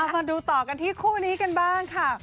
มาดูต่อกันที่คู่นี้กันบ้างค่ะ